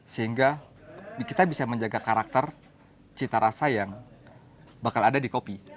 sehingga kita bisa menjaga karakter cita rasa yang bakal ada di kopi